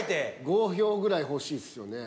５票ぐらい欲しいっすよね。